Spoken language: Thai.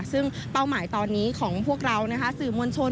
ซึ่งเป้าหมายตอนนี้ของพวกเราสื่อมวลชน